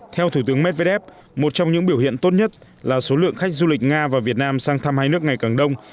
theo thủ tướng medvedev một trong những biểu hiện tốt nhất là số lượng khách du lịch nga và việt nam sang thăm hai nước ngày càng đông